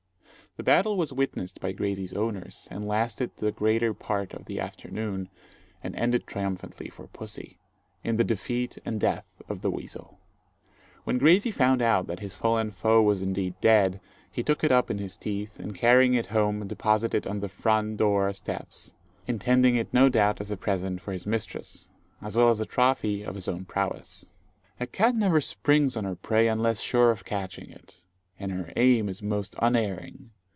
The battle was witnessed by Graysie's owners, and lasted the greater part of the afternoon, and ended triumphantly for pussy, in the defeat and death of the weasel. When Graysie found out that his fallen foe was indeed dead, he took it up in his teeth, and carrying it home, deposited it on the front door steps, intending it no doubt as a present for his mistress, as well as a trophy of his own prowess. A cat never springs on her prey unless sure of catching it, and her aim is most unerring.